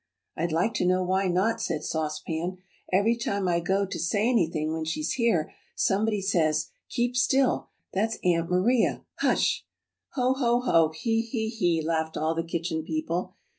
"I'd like to know why not," said Sauce Pan. "Every time I go to say anything when she's here, somebody says, 'Keep still that's Aunt Maria, Hush!" "Ho, ho, ho, hee hee hee!" laughed all the Kitchen People.